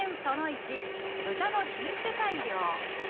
その１豚の品種改良。